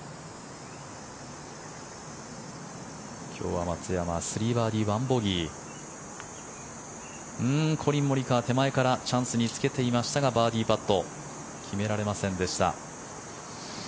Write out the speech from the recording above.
今日は松山、３バーディー１ボギーコリン・モリカワ、手前からチャンスにつけていましたがバーディーパット決められませんでした。